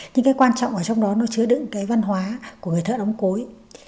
nhưng cái quan trọng ở trong đó nó chứa đựng cái văn hóa của người thợ đóng cối